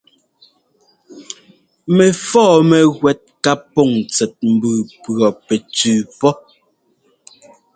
Mɛfɔ́ɔ mɛwɛ́t ká pɔŋ tsɛt mbʉʉ pʉɔpɛtsʉʉ pɔ́.